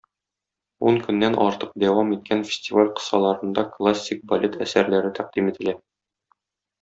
Ун көннән артык дәвам иткән фестиваль кысаларында классик балет әсәрләре тәкъдим ителә